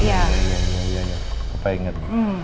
ya ya ya pak inget